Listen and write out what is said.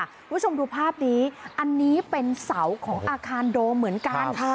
คุณผู้ชมดูภาพนี้อันนี้เป็นเสาของอาคารโดมเหมือนกัน